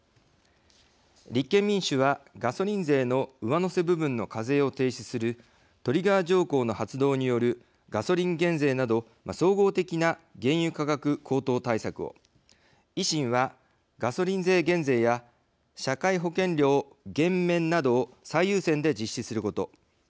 立憲民主はガソリン税の上乗せ部分の課税を停止するトリガー条項の発動によるガソリン減税など総合的な原油価格高騰対策を維新は、ガソリン税減税や社会保険料減免などを最優先で実施すること。